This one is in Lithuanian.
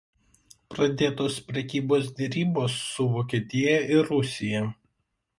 Pradėtos prekybos derybos su Vokietija ir Rusija.